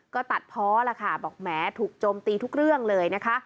ก็ตัดเพาะล่ะค่ะบอกแหมถูกโจมตีทุกเรื่องเลยนะคะ